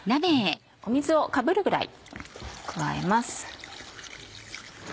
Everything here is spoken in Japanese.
水をかぶるぐらい加えます。